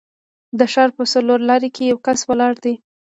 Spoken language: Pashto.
د ښار په څلورلارې کې یو کس ولاړ دی.